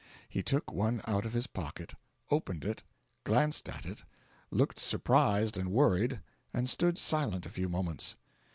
He took one out of his pocket, opened it, glanced at it, looked surprised and worried, and stood silent a few moments.